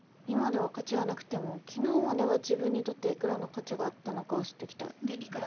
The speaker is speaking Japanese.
今では価値はなくても昨日までは自分にとって幾らの価値があったのかは知っときたい。